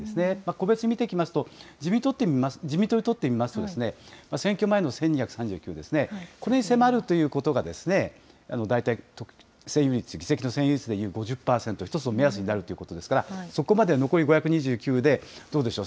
個別に見ていきますと、自民党にとってみますとですね、選挙前の１２３９ですね、これに迫るということが、大体、議席の占有率でいう、５０％、一つの目安になるということですから、そこまでは残り５２９で、どうでしょう？